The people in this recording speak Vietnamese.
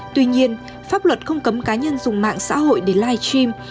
tuy nhiên pháp luật không cấm cá nhân dùng mạng xã hội để live stream